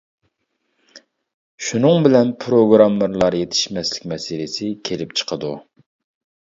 شۇنىڭ بىلەن پىروگراممېرلار يېتىشمەسلىك مەسىلىسى كېلىپ چىقىدۇ.